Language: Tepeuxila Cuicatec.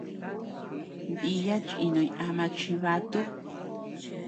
Diya chinuñ ama chibatu.